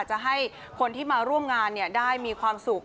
จะให้คนที่มาร่วมงานได้มีความสุข